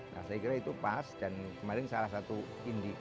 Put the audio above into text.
nah saya kira itu pas dan kemarin salah satu indikator